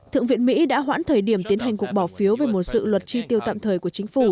thượng viện mỹ đã hoãn thời điểm tiến hành cuộc bỏ phiếu về một dự luật tri tiêu tạm thời của chính phủ